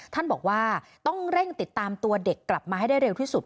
ท่านบอกว่าต้องเร่งติดตามตัวเด็กกลับมาให้ได้เร็วที่สุด